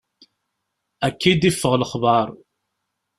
Akka i d-iffeɣ lexbar.